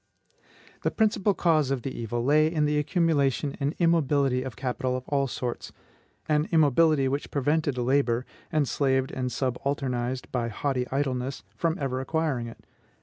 The principal cause of the evil lay in the accumulation and immobility of capital of all sorts, an immobility which prevented labor, enslaved and subalternized by haughty idleness, from ever acquiring it.